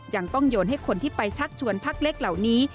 ยังต้องโยนให้คนที่ไปชักชวนพักเล็กเหล่านี้